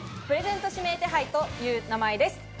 プレゼント指名手配という名前です。